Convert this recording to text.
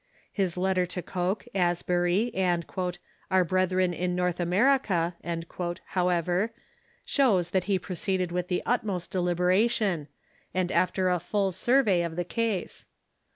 His letter to Coke, Asbury, and " our brethren in North America," however, shows that he proceeded Avitli the utmost deliberation, and after a full survey of the case.